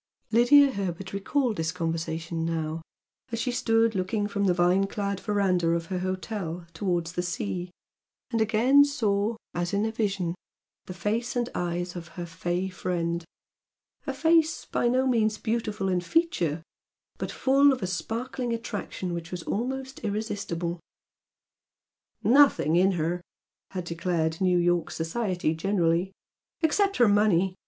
Lydia Herbert recalled this conversation now, as she stood looking from the vine clad verandah of her hotel towards the sea, and again saw, as in a vision, the face and eyes of her "fey" friend, a face by no means beautiful in feature, but full of a sparkling attraction which was almost irresistible. "Nothing in her!" had declared New York society generally "Except her money!